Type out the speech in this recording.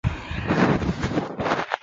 主要从浙界往粤界排列。